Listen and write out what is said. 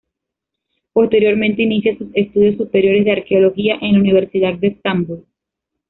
Posteriormente inicia sus estudios superiores de arqueología en la Universidad de Estambul.